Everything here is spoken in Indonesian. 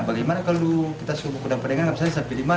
bagaimana kalau kita semua berdengar dengar bisa sampai di mana